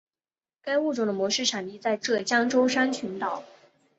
该物种的模式产地在浙江舟山群岛。